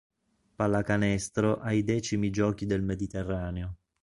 Pallacanestro ai X Giochi del Mediterraneo